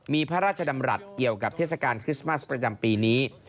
มีพระราชดำรัฐเกี่ยวกับเทศกาลคริสต์มัสประจำปีนี้